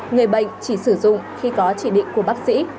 người bệnh chỉ sử dụng khi có chỉ định của bác sĩ